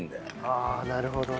ああなるほどな。